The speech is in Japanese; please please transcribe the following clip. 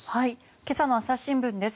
今朝の朝日新聞です。